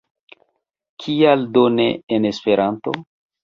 Kial do ne en Esperanto?